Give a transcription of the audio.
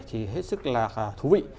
thì hết sức là thú vị